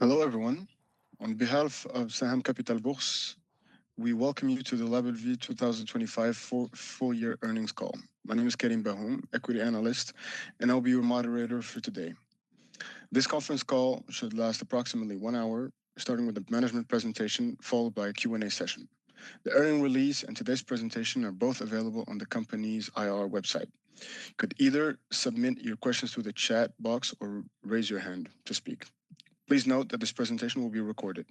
Hello everyone. On behalf of Saham Capital Bourse, we welcome you to the Label Vie 2025 full year earnings call. My name is Karim Barhoum, equity analyst, and I'll be your moderator for today. This conference call should last approximately one hour, starting with a management presentation, followed by a Q&A session. The earning release and today's presentation are both available on the company's IR website. You could either submit your questions through the chat box or raise your hand to speak. Please note that this presentation will be recorded.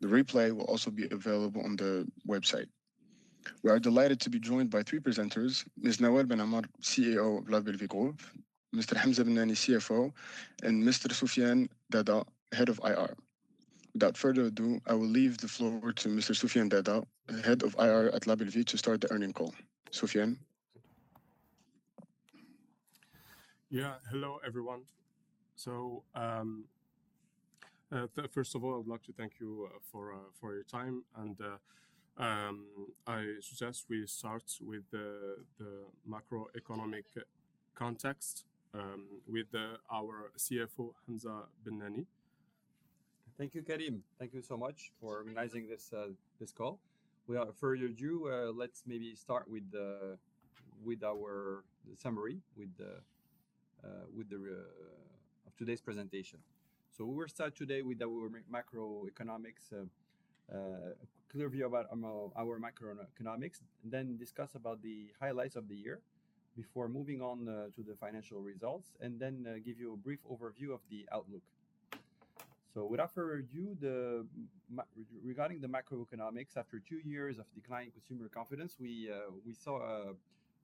The replay will also be available on the website. We are delighted to be joined by three presenters, Ms. Naoual Ben Amar, CEO of Label Vie Group, Mr. Hamza Bennani, CFO, and Mr. Soufiane Dada, Head of IR. Without further ado, I will leave the floor to Mr. Soufiane Dada, Head of IR at Label Vie, to start the earnings call. Soufiane? Hello, everyone. First of all, I'd like to thank you for your time. I suggest we start with the macroeconomic context with our CFO, Hamza Bennani. Thank you, Karim. Thank you so much for organizing this call. Without further ado, let's maybe start with the, with our summary with the, of today's presentation. We will start today with our macroeconomics, clear view about our macroeconomics, and then discuss about the highlights of the year before moving on, to the financial results, and then, give you a brief overview of the outlook. Without further ado, Regarding the macroeconomics, after 2 years of declining consumer confidence, we saw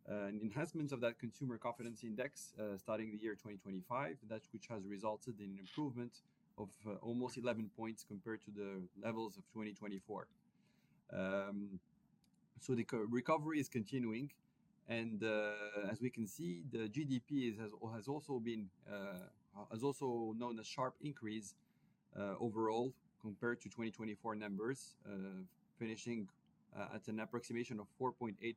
an enhancement of that consumer confidence index, starting the year 2025. That which has resulted in improvement of almost 11 points compared to the levels of 2024. The recovery is continuing, and as we can see, the GDP has also been, has also known a sharp increase, overall compared to 2024 numbers, finishing at an approximation of 4.8%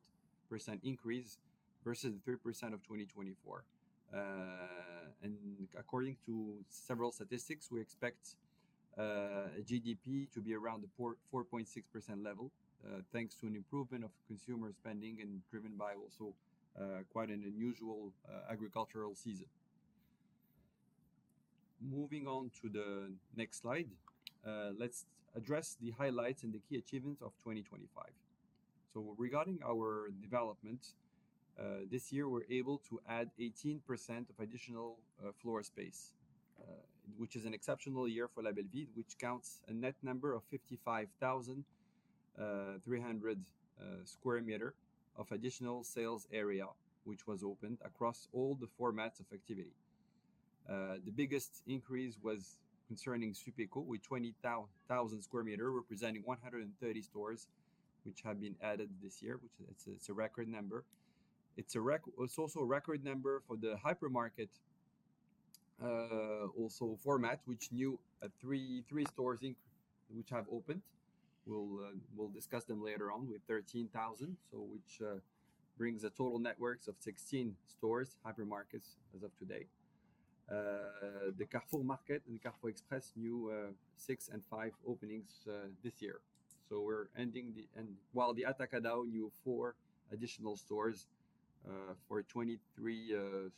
increase versus 3% of 2024. According to several statistics, we expect GDP to be around the 4.6% level, thanks to an improvement of consumer spending and driven by also quite an unusual agricultural season. Moving on to the next slide. Let's address the highlights and the key achievements of 2025. Regarding our development, this year, we're able to add 18% of additional floor space, which is an exceptional year for Label Vie, which counts a net number of 55,300 square meters of additional sales area, which was opened across all the formats of activity. The biggest increase was concerning Supeco with 20,000 square meters, representing 13 stores which have been added this year, which is a record number. It's also a record number for the hypermarket also format, which new 3 stores which have opened. We'll discuss them later on with 13,000. Which brings a total networks of 16 stores, hypermarkets as of today. The Carrefour Market and Carrefour Express new 6 and 5 openings this year. We're ending the Atacadão new 4 additional stores for a 23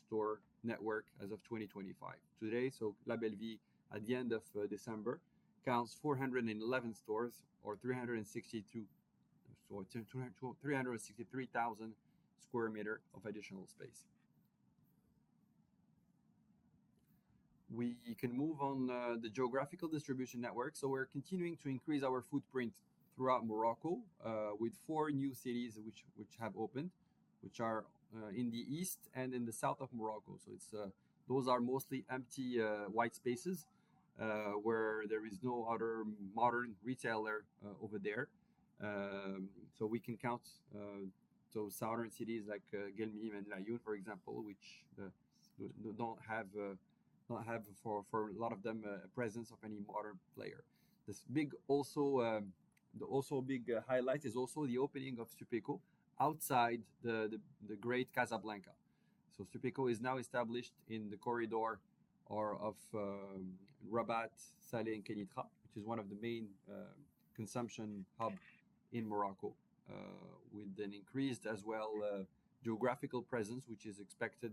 store network as of 2025. Today, Label Vie S.A. at the end of December counts 411 stores or 362, 363,000 sq. m of additional space. We can move on the geographical distribution network. We're continuing to increase our footprint throughout Morocco with 4 new cities which have opened, which are in the east and in the south of Morocco. These are mostly empty white spaces where there is no other modern retailer over there. We can count those southern cities like Guelmim and Laâyoune, for example, which don't have for a lot of them a presence of any modern player. This big also, the also big highlight is also the opening of Supeco outside the great Casablanca. Supeco is now established in the corridor of Rabat-Salé Kenitra, which is one of the main consumption hub in Morocco, with an increased as well geographical presence, which is expected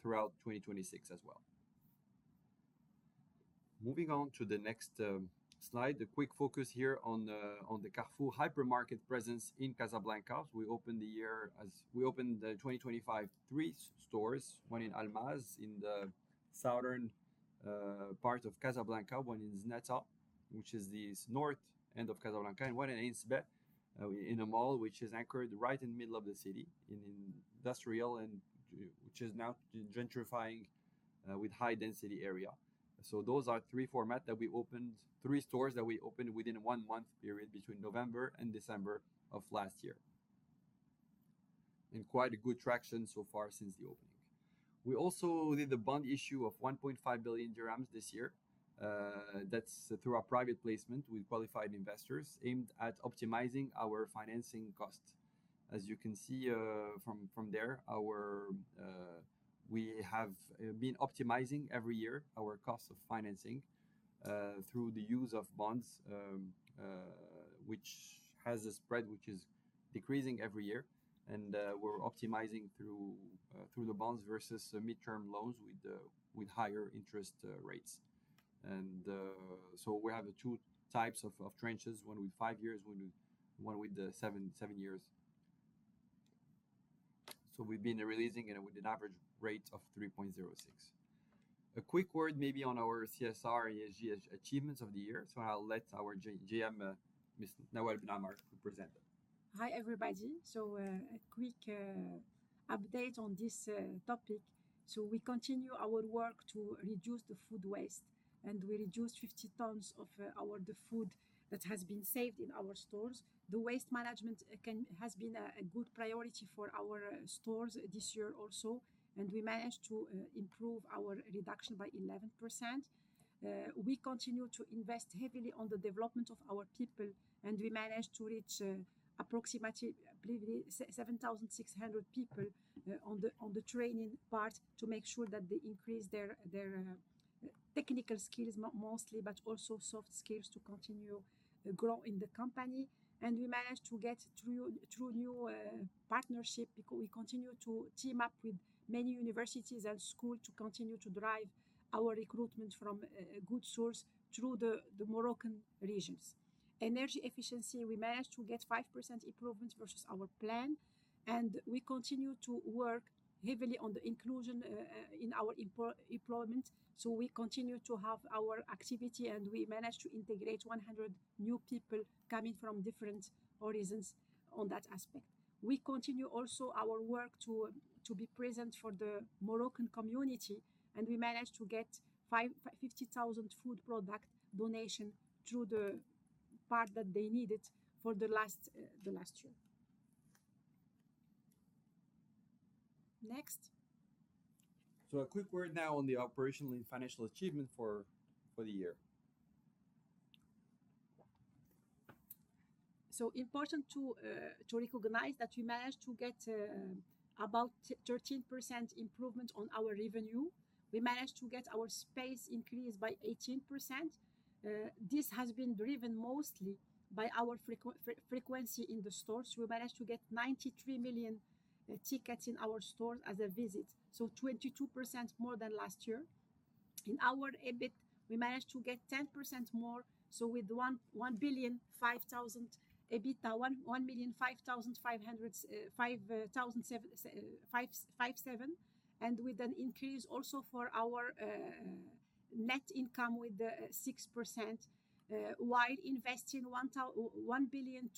throughout 2026 as well. Moving on to the next slide. A quick focus here on the Carrefour hypermarket presence in Casablanca. We opened the year as... We opened 3 stores, one in Almaz, in the southern part of Casablanca, one in Zenata, which is the north end of Casablanca, and one in Ain Sebaa, in a mall which is anchored right in the middle of the city, in an industrial area that is now gentrifying, with high density area. Those are 3 format that we opened, 3 stores that we opened within 1-month period between November and December of last year. Quite a good traction so far since the opening. We also did the bond issue of MAD 1.5 billion this year. That's through our private placement with qualified investors aimed at optimizing our financing cost. As you can see, from there, our, we have been optimizing every year our cost of financing through the use of bonds, which has a spread which is decreasing every year. We're optimizing through through the bonds versus the midterm loans with higher interest rates. We have the two types of tranches, one with 5 years, one with 7 years. We've been releasing it with an average rate of 3.06. A quick word maybe on our CSR ESG achievements of the year. I'll let our GM, Ms. Naoual Ben Amar present it. Hi, everybody. A quick update on this topic. We continue our work to reduce the food waste, and we reduced 50 tons of food saved in our stores. The waste management has been a good priority for our stores this year also. We managed to improve our reduction by 11%. We continue to invest heavily on the development of our people. We managed to reach approximately 7,600 people on the training part to make sure that they increase their technical skills mostly, but also soft skills to continue to grow in the company. We managed to get through new partnership because we continue to team up with many universities and school to continue to drive our recruitment from a good source through the Moroccan regions. Energy efficiency, we managed to get 5% improvement versus our plan, and we continue to work heavily on the inclusion in our employment. We continue to have our activity, and we managed to integrate 100 new people coming from different horizons on that aspect. We continue also our work to be present for the Moroccan community, and we managed to get 50,000 food product donation through the part that they needed for the last year. Next. A quick word now on the operational and financial achievement for the year. Important to recognize that we managed to get about 13% improvement on our revenue. We managed to get our space increased by 18%. This has been driven mostly by our frequency in the stores. We managed to get 93 million transactions in our stores as a visit, 22% more than last year. In our EBIT, we managed to get 10% more, with MAD 1 billion 5 thousand EBITDA, MAD 1 million 5 thousand 5 hundred, MAD 5 thousand 7, MAD 557, and with an increase also for our net income with 6%, while investing MAD 1.2 billion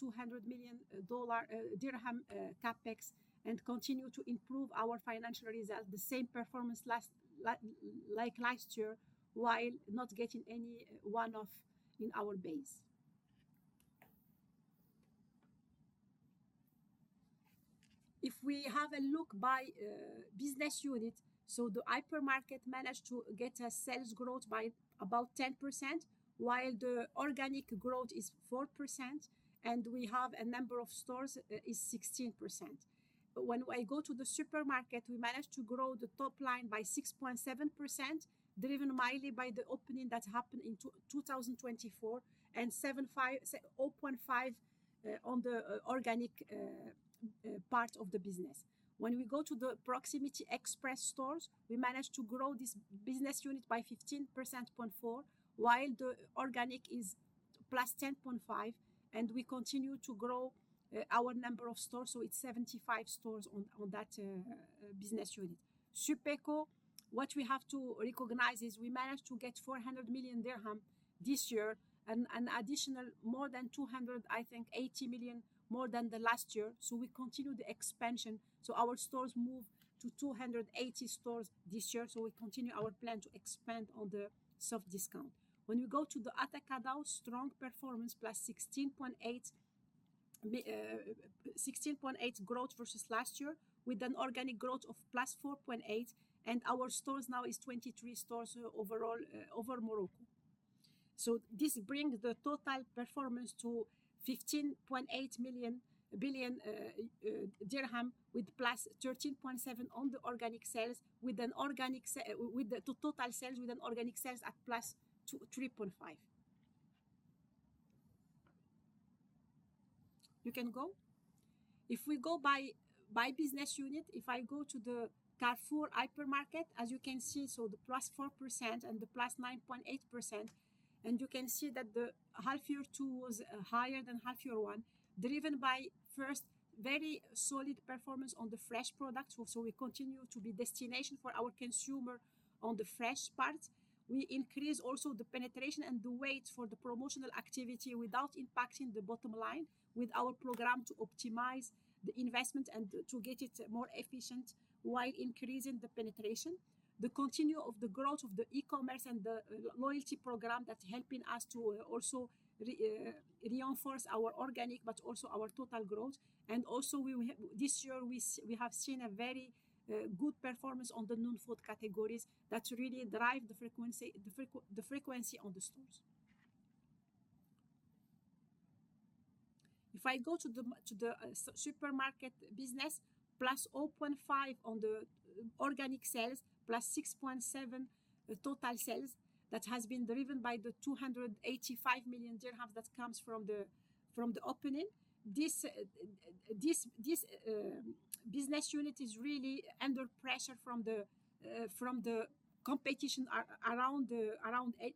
dirham CapEx and continue to improve our financial results the same performance like last year, while not getting any one-off in our base. If we have a look by business unit, the hypermarket managed to get a sales growth by about 10%, while the organic growth is 4% and we have a number of stores is 16%. When I go to the supermarket, we managed to grow the top line by 6.7%, driven mainly by the opening that happened in 2024 and 75, 0.5 on the organic part of the business. When we go to the proximity express stores, we managed to grow this business unit by 15.4%, while the organic is +10.5%, and we continue to grow our number of stores, so it's 75 stores on that business unit. Supeco, what we have to recognize is we managed to get MAD 400 million this year and an additional more than MAD 280 million more than the last year. We continue the expansion. Our stores move to 280 stores this year. We continue our plan to expand on the soft discount. When you go to the Atacadão, strong performance +16.8% growth versus last year with an organic growth of +4.8% and our stores now is 23 stores overall over Morocco. This brings the total performance to MAD 15.8 billion with +13.7% on the organic sales with total sales with an organic sales at +3.5%. You can go. If we go by business unit, if I go to the Carrefour hypermarket, as you can see, the +4% and the +9.8%, you can see that the half year 2 was higher than half year 1, driven by first very solid performance on the fresh products. We continue to be destination for our consumer on the fresh part. We increase also the penetration and the weight for the promotional activity without impacting the bottom line with our program to optimize the investment and to get it more efficient while increasing the penetration. The continue of the growth of the e-commerce and the loyalty program that's helping us to also reinforce our organic but also our total growth. Also we this year we have seen a very good performance on the non-food categories that really drive the frequency on the stores. If I go to the supermarket business, +0.5 on the organic sales, +6.7 total sales that has been driven by the MAD 285 million that comes from the opening. This business unit is really under pressure from the from the competition around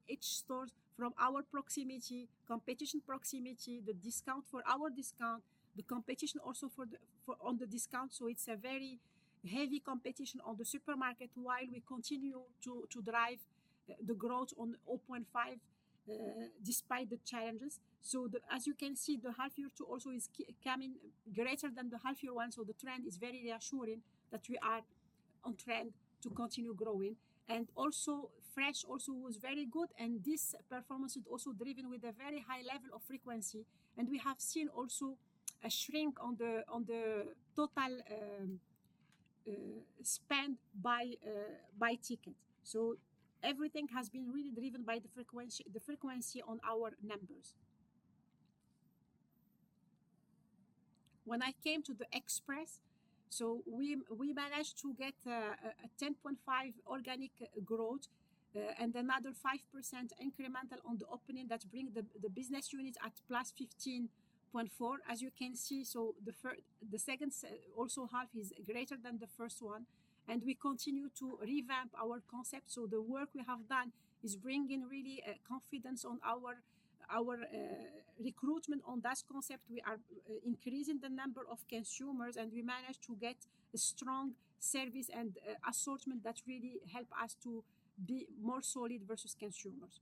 each stores, from our proximity, competition proximity, the discount for our discount, the competition also for on the discount. It's a very heavy competition on the supermarket while we continue to drive the growth on 0.5 despite the challenges. The... You can see, the half year 2 also is coming greater than the half year 1. The trend is very reassuring that we are on trend to continue growing. Also, fresh also was very good. This performance is also driven with a very high level of frequency. We have seen also a decline in average basket size. Everything has been really driven by the frequency on our numbers. When I came to the Express, we managed to get a 10.5 organic growth, and another 5% incremental on the opening that bring the business unit at +15.4, as you can see. The second also half is greater than the first one. We continue to revamp our concept. The work we have done is bringing really confidence on our recruitment on that concept. We are increasing the number of consumers, and we managed to get a strong service and assortment that really help us to be more solid versus consumers.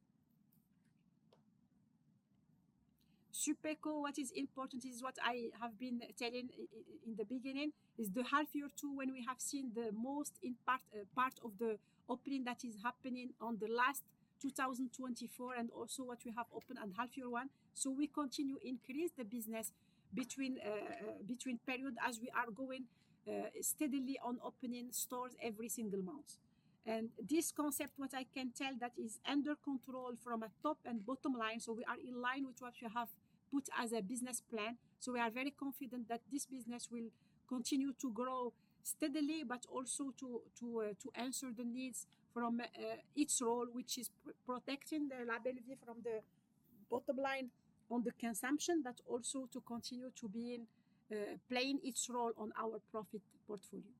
Supeco, what is important is what I have been telling in the beginning, is the half year 2 when we have seen the most impact, part of the opening that is happening on the last 2024 and also what we have opened on half year 1. We continue increase the business between period as we are going steadily on opening stores every single month. This concept, what I can tell that is under control from a top and bottom line, we are in line with what we have put as a business plan. We are very confident that this business will continue to grow steadily, but also to answer the needs from its role, which is protecting the Label'Vie from the bottom line on the consumption, but also to continue to be playing its role on our profit portfolio.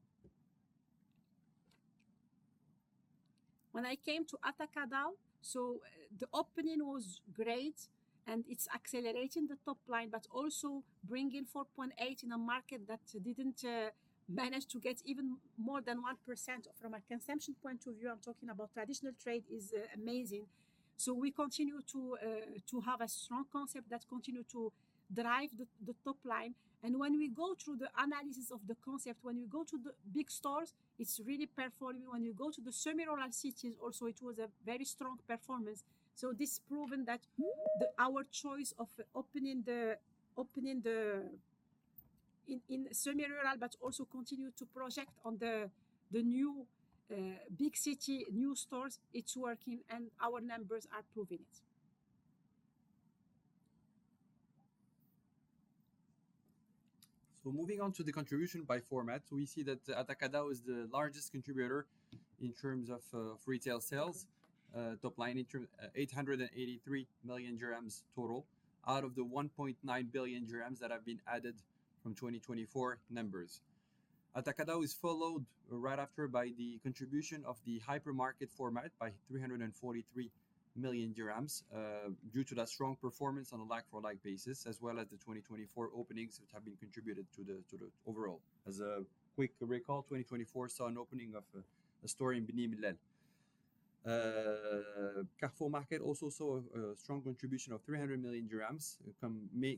When I came to Atacadão, the opening was great, and it's accelerating the top line, but also bringing 4.8 in a market that didn't manage to get even more than 1% from a consumption point of view, I'm talking about traditional trade, is amazing. We continue to have a strong concept that continue to drive the top line. When we go through the analysis of the concept, when you go to the big stores, it's really performing. When you go to the semi-rural cities also, it was a very strong performance. This proves that our choice of opening the in semi-rural but also continue to project on the new big city new stores, it's working and our numbers are proving it. Moving on to the contribution by format, we see that Atacadão is the largest contributor in terms of retail sales, top line in term, MAD 883 million total, out of the MAD 1.9 billion that have been added from 2024 numbers. Atacadão is followed right after by the contribution of the hypermarket format by MAD 343 million, due to that strong performance on a like-for-like basis, as well as the 2024 openings which have been contributed to the overall. As a quick recall, 2024 saw an opening of a store in Beni Mellal. Carrefour Market also saw a strong contribution of MAD 300 million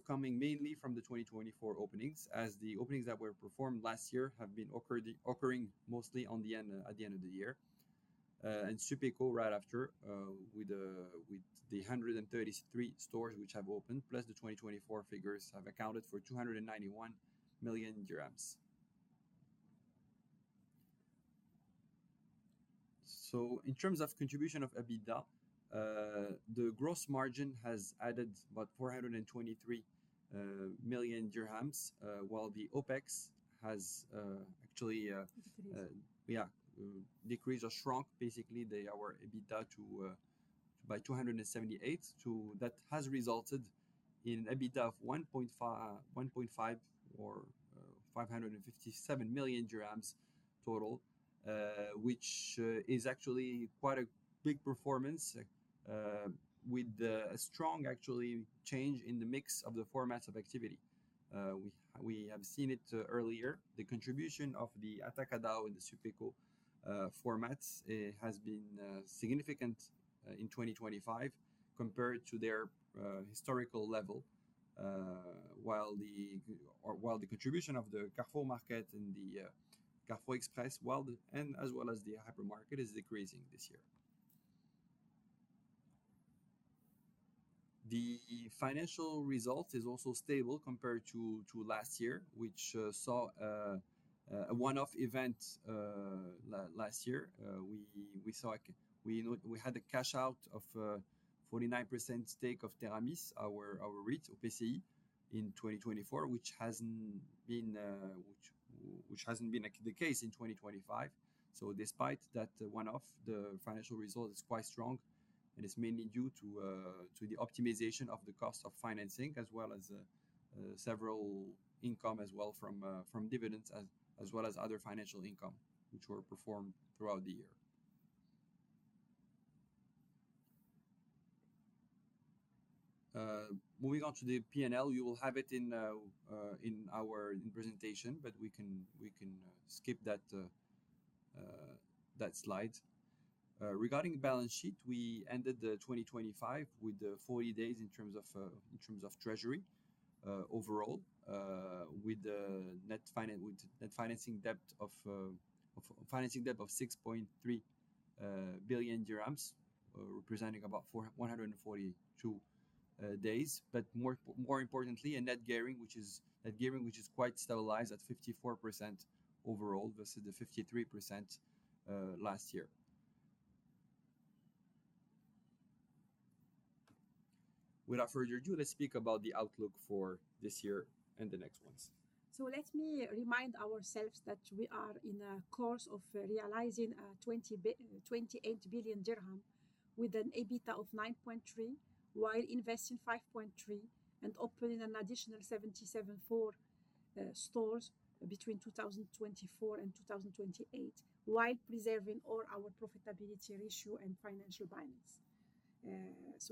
coming mainly from the 2024 openings, as the openings that were performed last year have been occurring mostly at the end of the year. Supeco right after, with the 133 stores which have opened, plus the 2024 figures have accounted for MAD 291 million. In terms of contribution of EBITDA, the gross margin has added about MAD 423 million, while the OpEx has actually. Decreased... yeah, decreased or shrunk basically our EBITDA by 278. That has resulted in an EBITDA of 1.5 or MAD 557 million total, which is actually quite a big performance, with a strong actually change in the mix of the formats of activity. We have seen it earlier. The contribution of the Atacadão and the Supeco formats has been significant in 2025 compared to their historical level. While the contribution of the Carrefour Market and the Carrefour Express, and as well as the hypermarket, is decreasing this year. The financial result is also stable compared to last year, which saw a one-off event last year. We had a cash out of 49% stake of Terramis, our REIT OPCI in 2024, which hasn't been the case in 2025. Despite that one-off, the financial result is quite strong, and it's mainly due to the optimization of the cost of financing as well as several income as well from dividends as well as other financial income which were performed throughout the year. Moving on to the P&L, you will have it in our presentation, but we can skip that slide. Regarding balance sheet, we ended 2025 with 40 days in terms of treasury overall, with net financing debt of MAD 6.3 billion, representing about 142 days. More importantly, a net gearing which is quite stabilized at 54% overall versus the 53% last year. Without further ado, let's speak about the outlook for this year and the next ones. Let me remind ourselves that we are in a course of realizing MAD 28 billion dirhams with an EBITDA of MAD 9.3 billion while investing MAD 5.3 billion and opening an additional 77 stores between 2024 and 2028, while preserving all our profitability ratio and financial balance.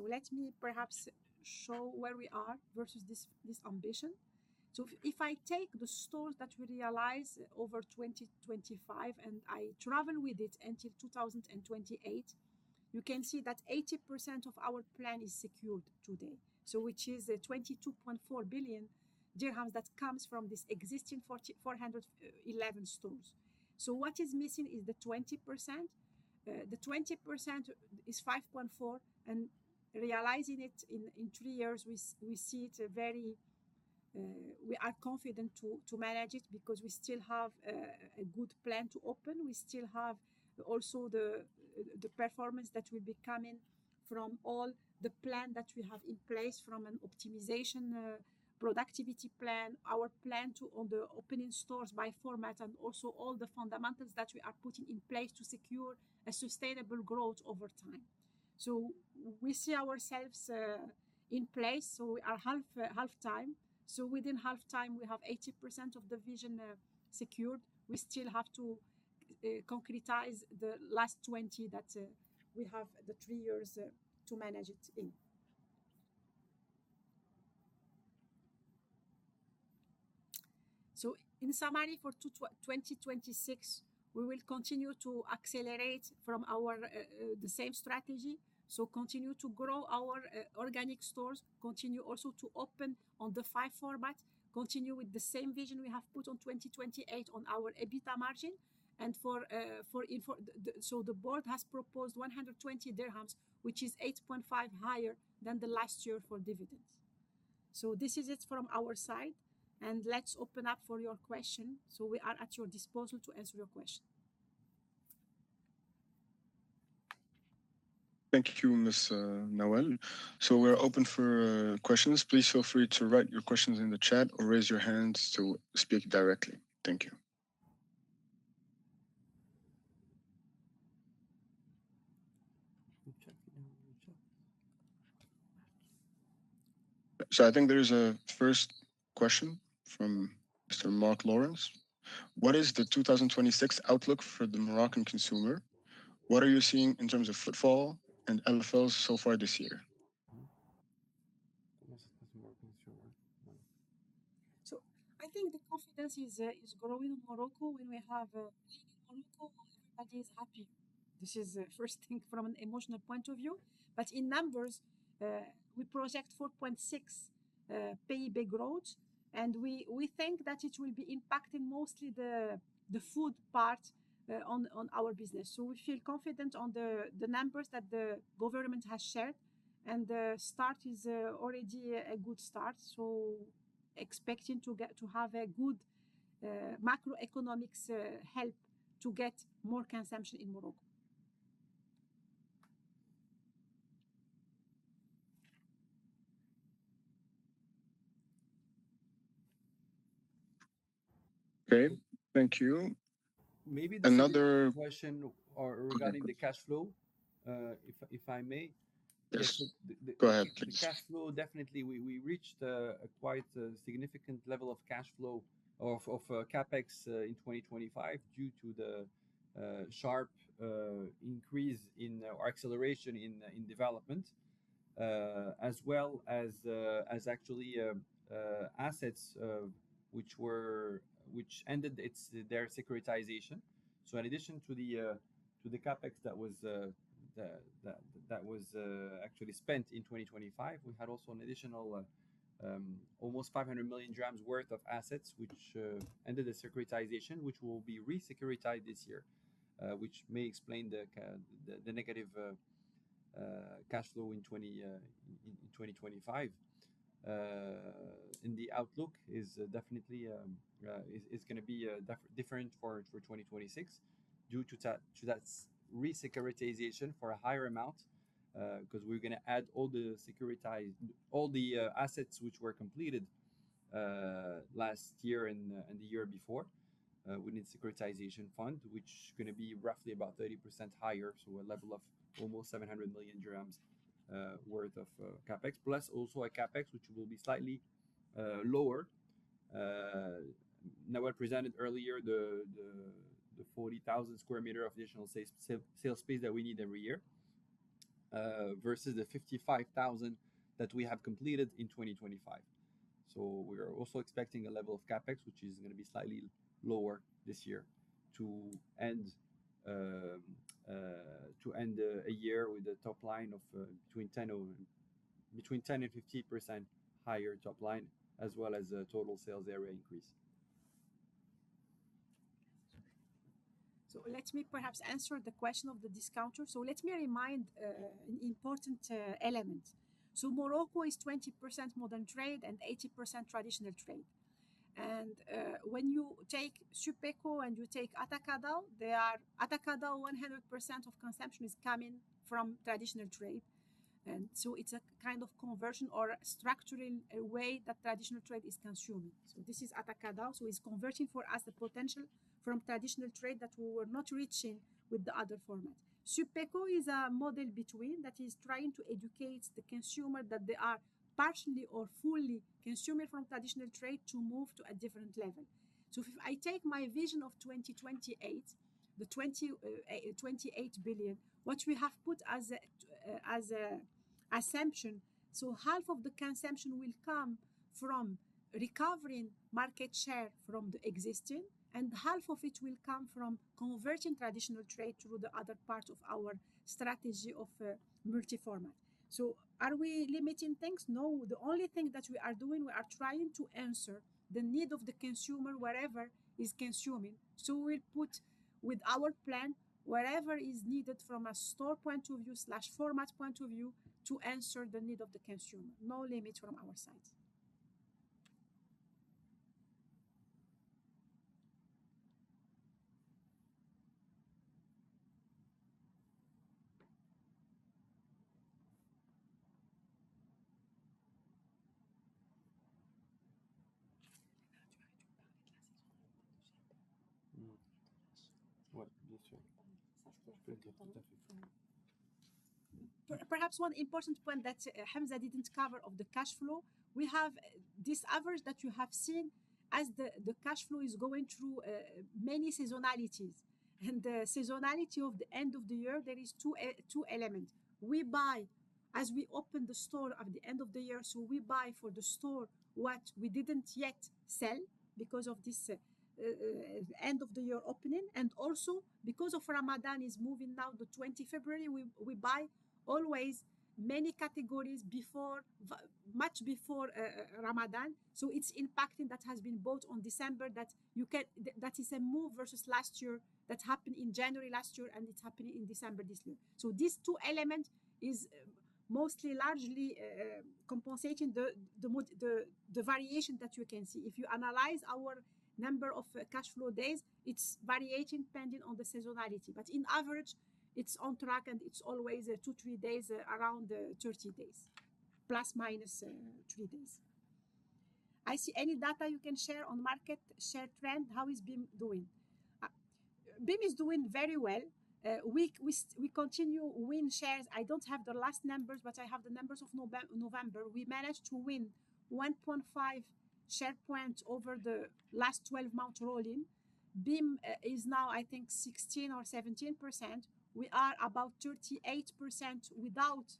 Let me perhaps show where we are versus this ambition. If I take the stores that we realized over 2025 and I travel with it until 2028, you can see that 80% of our plan is secured today. Which is a MAD 22.4 billion dirhams that comes from this existing 411 stores. What is missing is the 20%. The 20% is 5.4, realizing it in 3 years, we see it a very... We are confident to manage it because we still have a good plan to open. We still have also the performance that will be coming from all the plan that we have in place from an optimization, productivity plan, our plan to on the opening stores by format, and also all the fundamentals that we are putting in place to secure a sustainable growth over time. We see ourselves, in place, so we are half-time. Within half-time, we have 80% of the vision, secured. We still have to concretize the last 20 that we have the 3 years to manage it in. In summary, for 2026, we will continue to accelerate from our the same strategy. Continue to grow our organic stores, continue also to open on the 5 format, continue with the same vision we have put on 2028 on our EBITDA margin and the board has proposed MAD 120, which is 8.5 higher than the last year for dividends. This is it from our side, and let's open up for your question. We are at your disposal to answer your question. Thank you, Miss Nawal. We're open for questions. Please feel free to write your questions in the chat or raise your hands to speak directly. Thank you. Check it out. Check. I think there is a first question from Mr. Mark Lawrence. What is the 2026 outlook for the Moroccan consumer? What are you seeing in terms of footfall and LFLs so far this year? The Moroccan consumer. I think the confidence is growing in Morocco when we have political everybody is happy. This is the first thing from an emotional point of view. In numbers, we project 4.6% GDP growth, we think that it will be impacting mostly the food part on our business. We feel confident on the numbers that the government has shared, the start is already a good start. Expecting to get to have a good macroeconomics help to get more consumption in Morocco. Okay. Thank you. Maybe there is a question or regarding the cash flow, if I may. Yes. Go ahead, please. The cash flow, definitely we reached a quite significant level of cash flow of CapEx in 2025 due to the sharp increase in or acceleration in development, as well as actually assets which ended their securitization. In addition to the CapEx that was actually spent in 2025, we had also an additional almost MAD 500 million worth of assets which ended the securitization, which will be re-securitized this year. Which may explain the negative cash flow in 2025. The outlook is definitely gonna be different for 2026 due to that re-securitization for a higher amount. 'Cause we're gonna add all the assets which were completed last year and the year before within securitization fund, which gonna be roughly about 30% higher, so a level of almost MAD 700 million worth of CapEx. Plus also a CapEx which will be slightly lower. Now I presented earlier the 40,000 square meters of additional sales space that we need every year versus the 55,000 that we have completed in 2025. We are also expecting a level of CapEx which is gonna be slightly lower this year to end a year with a top line of between 10% or between 10% and 15% higher top line as well as a total sales area increase. Let me perhaps answer the question of the discounter. Let me remind an important element. Morocco is 20% modern trade and 80% traditional trade. When you take Supeco and you take Atacadão, 100% of consumption is coming from traditional trade. It's a kind of conversion or structuring a way that traditional trade is consuming. This is Atacadão, it's converting for us the potential from traditional trade that we were not reaching with the other format. Supeco is a model between, that is trying to educate the consumer that they are partially or fully consuming from traditional trade to move to a different level. If I take my vision of 2028, the MAD 28 billion, what we have put as a assumption, so half of the consumption will come from recovering market share from the existing, and half of it will come from converting traditional trade through the other part of our strategy of multi-format. Are we limiting things? No. The only thing that we are doing, we are trying to answer the need of the consumer wherever is consuming. We'll put with our plan whatever is needed from a store point of view slash format point of view to answer the need of the consumer. No limit from our side. Perhaps one important point that Hamza didn't cover of the cash flow. We have this average that you have seen as the cash flow is going through many seasonalities. The seasonality of the end of the year, there is two element. We buy as we open the store at the end of the year, so we buy for the store what we didn't yet sell because of this end of the year opening. Also because of Ramadan is moving now to 20 February, we buy always many categories before much before Ramadan. It's impacting that has been bought on December that you can. That is a move versus last year that happened in January last year, and it's happening in December this year. These two element is mostly largely compensating the variation that you can see. If you analyze our number of cash flow days, it's variating pending on the seasonality. On average, it's on track, and it's always 2, 3 days around 30 days. Plus, minus 3 days. I see any data you can share on market share trend? How is BIM doing? BIM is doing very well. we continue to win share. I don't have the last numbers, but I have the numbers of November. We managed to win 1.5 share point over the last 12-month rolling. BIM is now, I think, 16% or 17%. We are about 38% without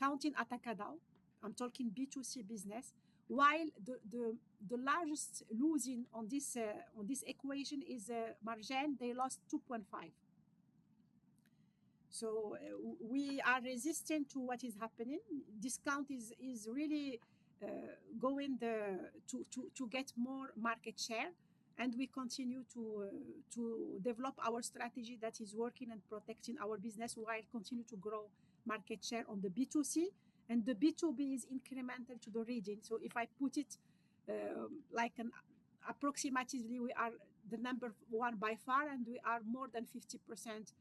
counting Atacadão. I'm talking B2C business. While the largest losing on this equation is Marjane. They lost 2.5. We are resistant to what is happening. Discount is really going to get more market share, and we continue to develop our strategy that is working and protecting our business while continue to grow market share on the B2C. The B2B is incremental to the region. If I put it like an approximately, we are the number one by far, and we are more than 50%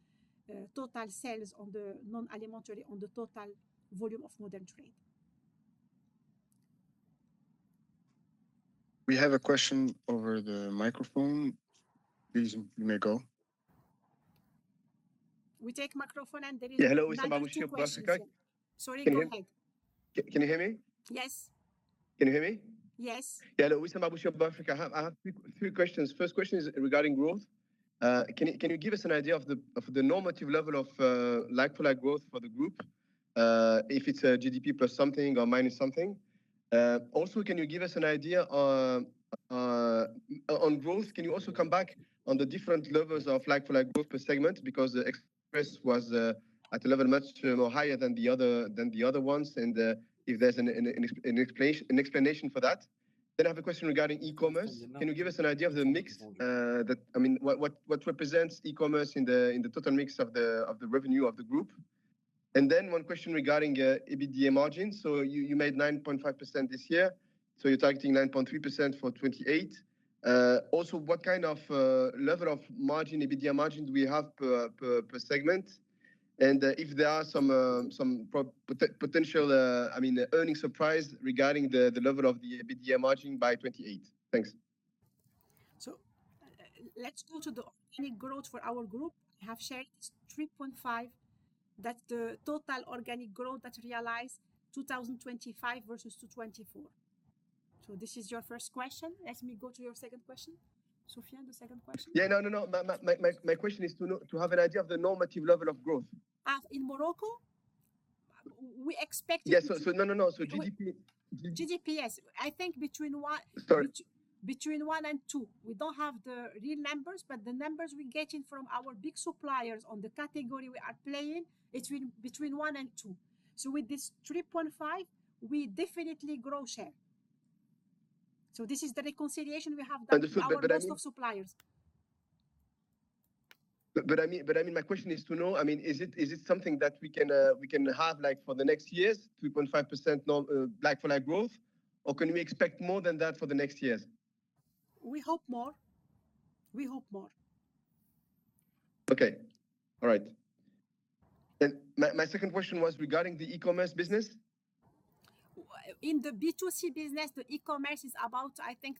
total sales on the non-alimentary on the total volume of modern trade. We have a question over the microphone. Please, you may go. We take microphone and there is many two questions. Yeah. Hello, Wissam Abu Shaba, Africa. Sorry, go ahead. Can you hear me? Yes. Can you hear me? Yes. Hello, Wissam Abu Shaba, Africa. I have 3 questions. First question is regarding growth. Can you give us an idea of the normative level of like-for-like growth for the group? If it's a GDP plus something or minus something. Can you give us an idea on growth? Can you also come back on the different levels of like-for-like growth per segment? The express was at a level much higher than the other ones, if there's an explanation for that. I have a question regarding e-commerce. Can you give us an idea of the mix? I mean, what represents e-commerce in the total mix of the revenue of the group? One question regarding EBITDA margins. You made 9.5% this year, so you're targeting 9.3% for 2028. Also, what kind of level of margin, EBITDA margins we have per segment? If there are some potential, I mean, earning surprise regarding the level of the EBITDA margin by 2028. Thanks. Let's go to the organic growth for our group. Have shared 3.5% that the total organic growth that realized 2025 versus 2024. This is your first question. Let me go to your second question. Sophia, the second question? Yeah. No, no. My question is to have an idea of the normative level of growth. In Morocco, we expect. Yes. No, no. GDP- GDP, yes. I think between one- Sorry. Between one and two. We don't have the real numbers, but the numbers we're getting from our big suppliers on the category we are playing, it's between one and two. With this 3.5%, we definitely grow share. This is the reconciliation we have. The food, but I think. ...our list of suppliers. I mean, my question is to know, I mean, is it something that we can have like for the next years, 3.5% like-for-like growth? Can we expect more than that for the next years? We hope more. Okay. All right. My second question was regarding the e-commerce business. In the B2C business, the e-commerce is about, I think,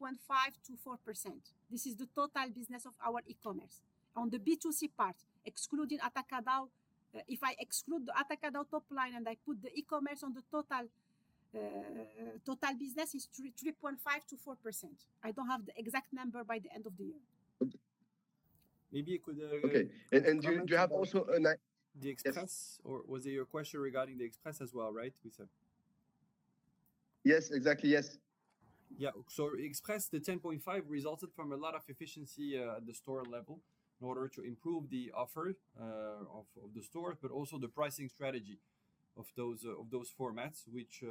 3.5%-4%. This is the total business of our e-commerce. On the B2C part, excluding Atacadão, if I exclude the Atacadão top line, and I put the e-commerce on the total business is 3.5%-4%. I don't have the exact number by the end of the year. Okay. Maybe you could. Okay. Do you have also. The Express? Yes. Was it your question regarding the Express as well, right? Wissam. Yes, exactly, yes. Yeah. Express, the 10.5 resulted from a lot of efficiency at the store level in order to improve the offer of the stores, but also the pricing strategy of those of those formats, which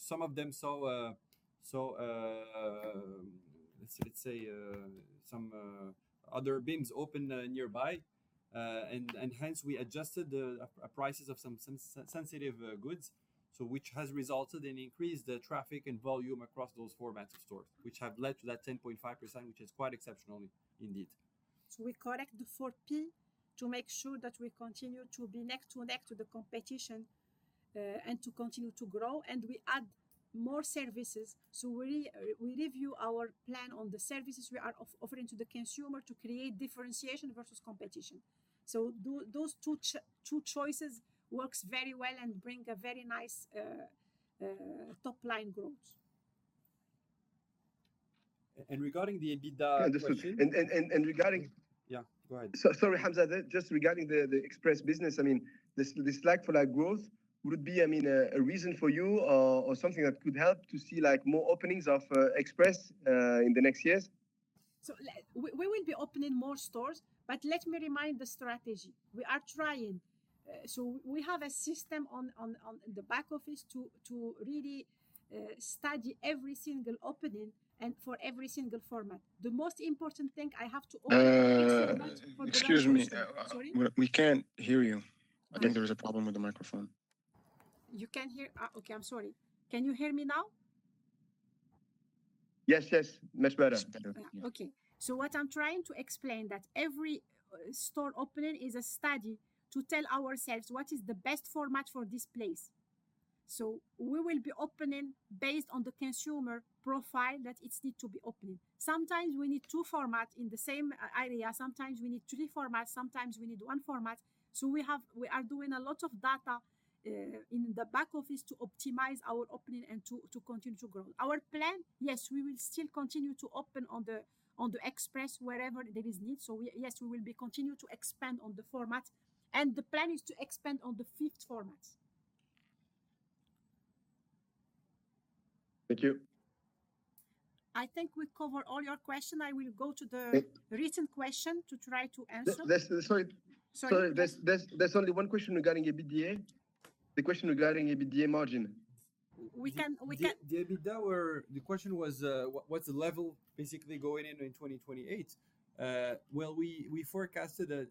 some of them saw, let's say, some other BIM open nearby. Hence, we adjusted the prices of some sensitive goods, so which has resulted in increased traffic and volume across those formats of stores, which have led to that 10.5%, which is quite exceptional indeed. We correct the Four Ps to make sure that we continue to be neck to neck to the competition, and to continue to grow, and we add more services. We review our plan on the services we are offering to the consumer to create differentiation versus competition. Those two choices work very well and bring a very nice top line growth. regarding the EBITDA question? And, and, and regarding- Yeah, go ahead. Sorry, Hamza. Just regarding the Express business, I mean, this like-for-like growth would be, I mean, a reason for you or something that could help to see like more openings of Express in the next years? We will be opening more stores, but let me remind the strategy. We are trying. We have a system on the back office to really study every single opening and for every single format. The most important thing I have. Excuse me. Sorry? We can't hear you. I think there is a problem with the microphone. You can't hear? Okay. I'm sorry. Can you hear me now? Yes, yes. Much better. It's better. Okay. What I'm trying to explain that every store opening is a study to tell ourselves what is the best format for this place. We will be opening based on the consumer profile that it need to be opening. Sometimes we need 2 format in the same area, sometimes we need 3 format, sometimes we need 1 format. We are doing a lot of data in the back office to optimize our opening and to continue to grow. Our plan, yes, we will still continue to open on the Express wherever there is need. Yes, we will be continue to expand on the format, and the plan is to expand on the fifth formats. Thank you. I think we covered all your question. I will go to the written question to try to answer. There's. Sorry. Sorry. There's only one question regarding EBITDA. The question regarding EBITDA margin. We can. The EBITDA where the question was, what's the level basically going into in 2028? Well, we forecasted a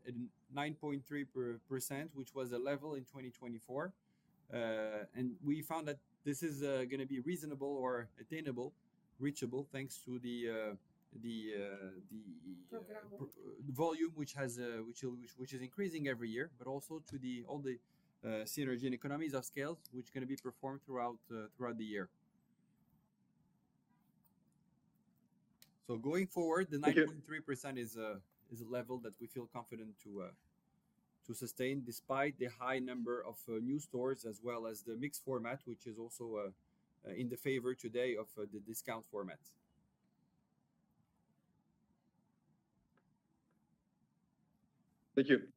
9.3%, which was the level in 2024. We found that this is going to be reasonable or attainable, reachable, thanks to the, Program volume which has which is increasing every year, but also to the all the synergy and economies of scale which are gonna be performed throughout the year. going forward- Thank you. The 9.3% is a level that we feel confident to sustain despite the high number of new stores as well as the mixed format, which is also in the favor today of the discount format. Thank you.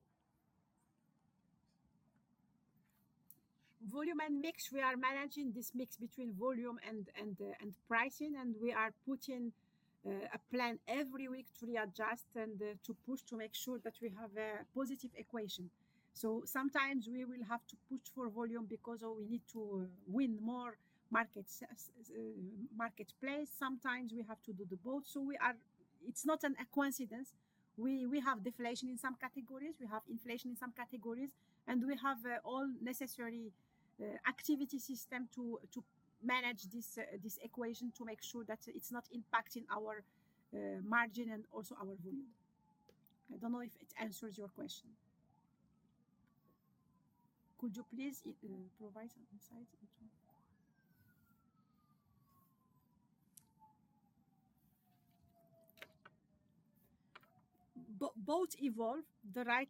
Volume and mix, we are managing this mix between volume and pricing, and we are putting a plan every week to readjust and to push to make sure that we have a positive equation. Sometimes we will have to push for volume because we need to win more marketplace. Sometimes we have to do the both. We are. It's not a coincidence. We have deflation in some categories, we have inflation in some categories, and we have all necessary activity system to manage this equation to make sure that it's not impacting our margin and also our volume. I don't know if it answers your question. Could you please provide some insight into... Both evolve the right...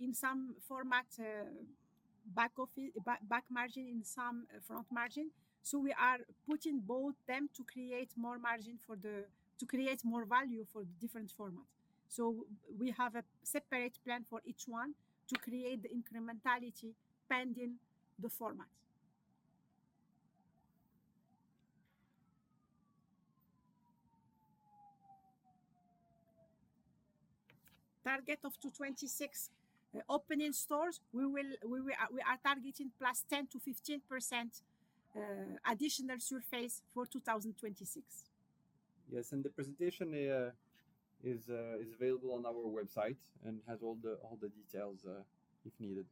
In some format, back office... Back margin, in some front margin. We are putting both them to create more margin for the to create more value for the different formats. We have a separate plan for each one to create the incrementality pending the format. Target of 226 opening stores. We are targeting +10% to 15% additional surface for 2026. Yes, the presentation is available on our website and has all the details, if needed.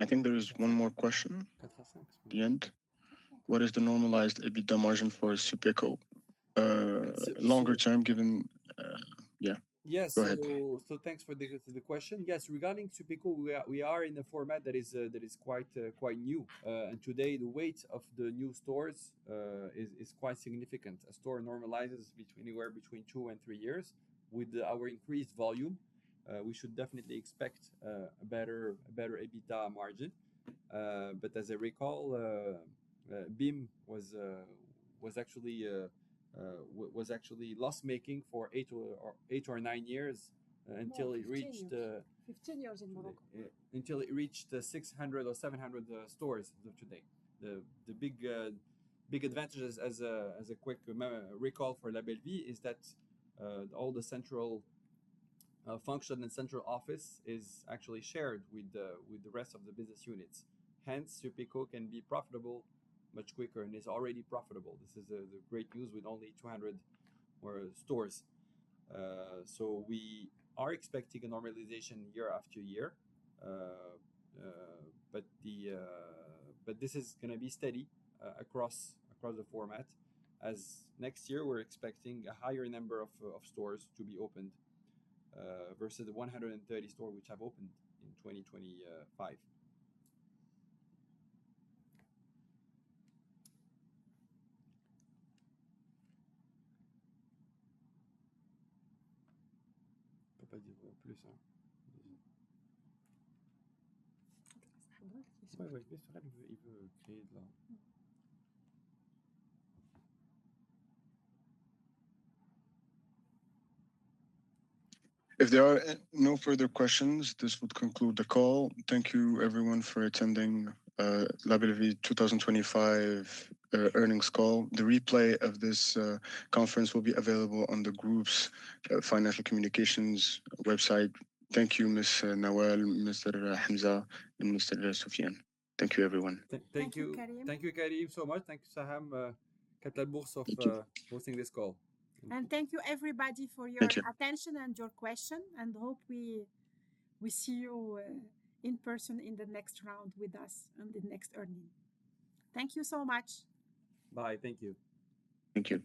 I think there is one more question at the end. What is the normalized EBITDA margin for Supeco, longer term given? Yeah. Yes. Go ahead. Thanks for the question. Yes, regarding Supeco, we are in a format that is quite new. Today the weight of the new stores is quite significant. A store normalizes anywhere between two and three years. With our increased volume, we should definitely expect a better EBITDA margin. As I recall, BIM was actually loss-making for eight or nine years until it reached. No, 15 years. 15 years in Morocco. Until it reached the 600 or 700 stores of today. The big advantage as a quick recall for Label'Vie is that all the central function and central office is actually shared with the rest of the business units. Hence, Supeco can be profitable much quicker, and is already profitable. This is the great news with only 200 stores. We are expecting a normalization year after year. This is gonna be steady across the format, as next year we're expecting a higher number of stores to be opened versus the 130 stores which have opened in 2025. If there are no further questions, this would conclude the call. Thank you everyone for attending, Label Vie 2025, earnings call. The replay of this conference will be available on the group's financial communications website. Thank you, Ms. Nawal, Mr. Hamza, and Mr. Soufiane. Thank you, everyone. Thank you. Thank you, Karim. Thank you, Karim, so much. Thank you, Saham Capital Bourse. Thank you.... hosting this call. Thank you everybody for. Thank you. attention and your question, and hope we see you in person in the next round with us on the next earning. Thank you so much. Bye. Thank you. Thank you.